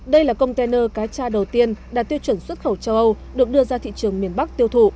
đây là container cá cha đầu tiên đạt tiêu chuẩn xuất khẩu châu âu được đưa ra thị trường miền bắc tiêu thụ